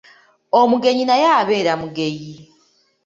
Omugenyi naye abeera mugeyi.